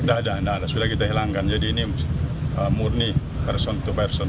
tidak ada sudah kita hilangkan jadi ini murni person to barson